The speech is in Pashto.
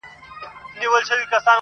چي اسمان پر تندي څه درته لیکلي-